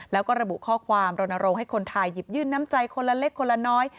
แล้วก็ระบุข้อความรณรงค์ให้คนไทยหยิบยื่นน้ำใจคนละเล็กคนละน้อย